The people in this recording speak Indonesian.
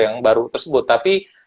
yang baru tersebut tapi